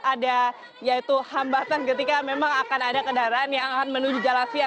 ada ya itu hambasan ketika memang akan ada kendaraan yang akan menuju jalan siak